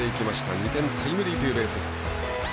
２点タイムリーツーベースヒット。